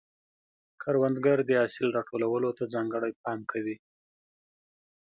کروندګر د حاصل راټولولو ته ځانګړی پام کوي